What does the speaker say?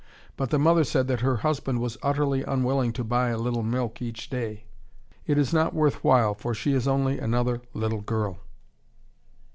But the mother said that her husband was utterly unwilling to buy a little milk each day, "It is not worth while, for she is only another little girl."